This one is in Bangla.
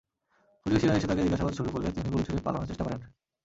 প্রতিবেশীরা এসে তাঁকে জিজ্ঞাসাবাদ শুরু করলে তিনি গুলি ছুড়ে পালানোর চেষ্টা করেন।